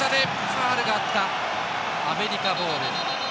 ファウルがあったアメリカボール。